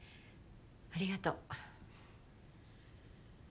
ありがとう。